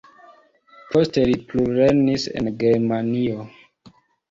Poste li plulernis en Germanio.